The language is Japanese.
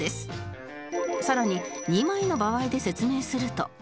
さらに２枚の場合で説明すると